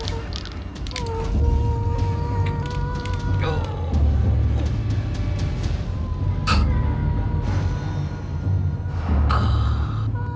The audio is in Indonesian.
enggak saya yang kekenyangan